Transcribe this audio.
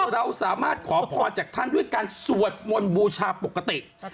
เราสามารถขอพรจากท่านด้วยการสวดมนต์บูชาปกติ